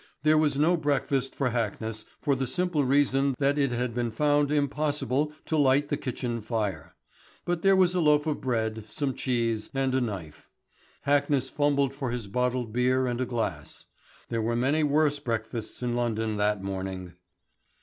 There was no breakfast for Hackness for the simple reason that it had been found impossible to light the kitchen fire. But there was a loaf of bread, some cheese, and a knife. Hackness fumbled for his bottled beer and a glass. There were many worse breakfasts in London that morning.